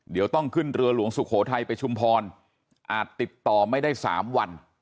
เดี๋ยวต้องขึ้นเรือหลวงสุโขทัยไปชุมพรอาจติดต่อไม่ได้๓วัน